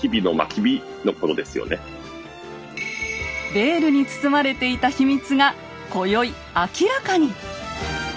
ベールに包まれていた秘密が今宵明らかに！